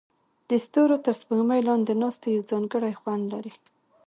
د ستورو تر سپوږمۍ لاندې ناستې یو ځانګړی خوند لري.